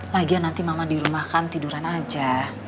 lagian nanti mama di rumah kan tiduran aja